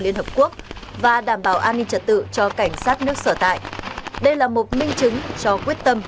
liên hợp quốc và đảm bảo an ninh trật tự cho cảnh sát nước sở tại đây là một minh chứng cho quyết tâm